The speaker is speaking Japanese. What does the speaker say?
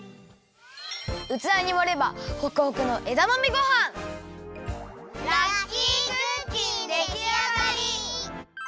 うつわにもればホクホクのラッキークッキンできあがり！